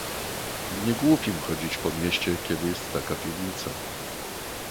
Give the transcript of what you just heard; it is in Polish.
"Nie głupim chodzić po mieście, kiedy jest taka piwnica."